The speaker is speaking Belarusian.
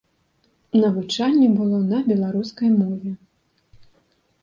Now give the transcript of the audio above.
Навучанне было на беларускай мове.